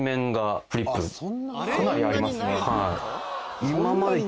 かなりありますね。